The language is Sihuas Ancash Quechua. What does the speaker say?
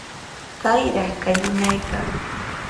¡Kayraq llakinayqa!